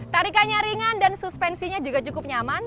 tarikannya ringan dan suspensinya juga cukup nyaman